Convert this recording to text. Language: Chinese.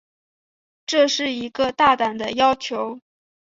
这是一个大胆的要求。